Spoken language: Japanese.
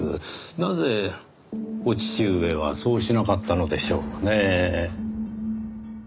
なぜお父上はそうしなかったのでしょうねぇ？